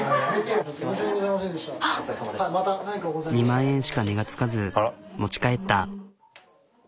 ２万円しか値がつかず持ち帰った。